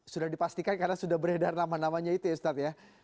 sudah dipastikan karena sudah beredar nama namanya itu ya ustadz ya